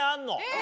え！